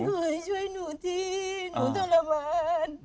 ขอให้ช่วยหนูทีหนูทรมาน